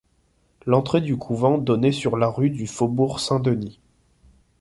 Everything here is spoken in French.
L'entrée du couvent donnait sur la rue du Faubourg-Saint-Denis.